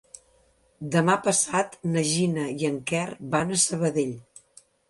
Demà passat na Gina i en Quer van a Sabadell.